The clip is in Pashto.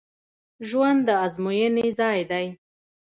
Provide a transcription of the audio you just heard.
ژوند د ازموینې ځای دی